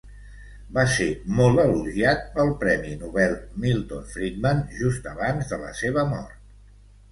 Va ser molt elogiat pel Premi Nobel Milton Friedman just abans de la seva mort.